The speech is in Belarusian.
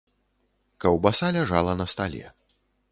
Каўбаса ляжала на стале.